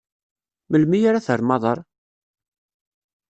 Melmi ara terrem aḍar?